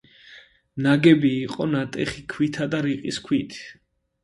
ნაგები იყო ნატეხი ქვითა და რიყის ქვით.